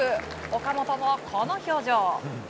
岡本も、この表情。